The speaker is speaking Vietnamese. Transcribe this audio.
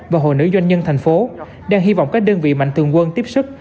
và hội nữ doanh nhân thành phố đang hy vọng các đơn vị mạnh tường quân tiếp sức